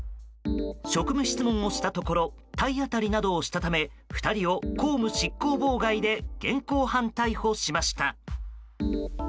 職務質問をしたところ体当たりなどをしたため２人を公務執行妨害で現行犯逮捕しました。